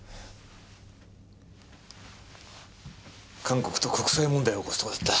韓国と国際問題を起こすとこだった。